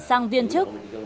sang viên chức